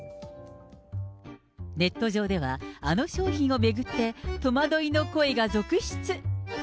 ネット上では、あの商品を巡って、戸惑いの声が続出。